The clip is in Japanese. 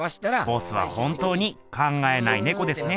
ボスは本当に「考えないねこ」ですね。